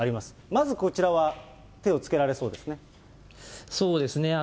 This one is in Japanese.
まずこちらは手をつけられそうでそうですね。